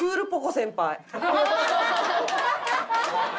先輩。